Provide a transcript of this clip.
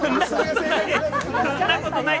そんなことない！